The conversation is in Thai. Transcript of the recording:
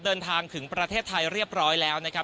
เดินทางถึงประเทศไทยเรียบร้อยแล้วนะครับ